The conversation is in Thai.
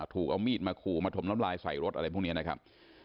ถูกเอามีดมาขู่มาถมน้ำลายใส่รถอะไรพวกนี้นะครับ